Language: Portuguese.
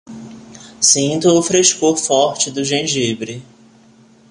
Sinto o frescor forte do gengibre